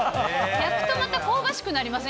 焼くとまた香ばしくなりません？